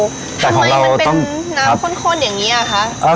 ทำไมมันเป็นน้ำข้นอย่างนี้อะคะ